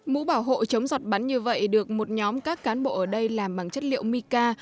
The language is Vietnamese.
mũ bảo hộ chống giọt bắn như vậy được một nhóm các cán bộ ở đây làm bằng chất liệu mica